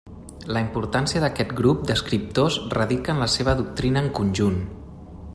La importància d'aquest grup d'escriptors radica en la seva doctrina en conjunt.